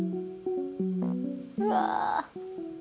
うわ